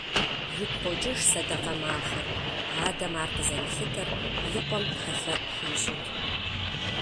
Игу къокӀыж сэдэкъэ махуэр… Адэм ар къызэрилъытэр и къуэм тхьэлъэӀу хуищӀут.